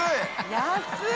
安い！